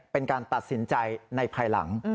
เป็นการตัดสินใจในภายหลัง